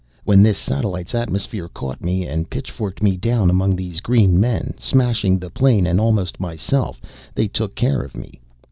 When this satellite's atmosphere caught me and pitchforked me down among these green men, smashing the plane and almost myself, they took care of me.